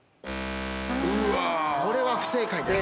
これは不正解です。